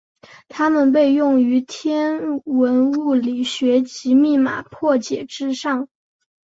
它们被用于天文物理学及密码破解之上。